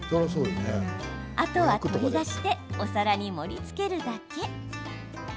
あとは取り出してお皿に盛りつけるだけ。